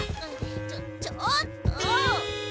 ちょちょっと！